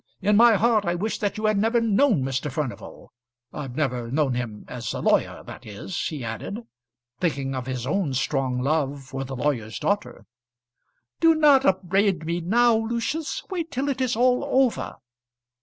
In my heart I wish that you had never known Mr. Furnival; never known him as a lawyer that is," he added, thinking of his own strong love for the lawyer's daughter. "Do not upbraid me now, Lucius. Wait till it is all over."